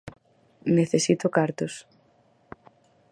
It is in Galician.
Necesito cartos